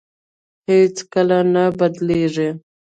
هېڅ کله نه بدلېږي.